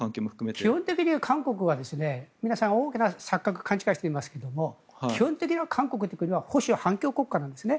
基本的に韓国は皆さん、大きな錯覚勘違いをしていますが基本的には韓国という国は保守・反共国家なんですね。